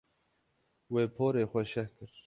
Wê porê xwe şeh kir.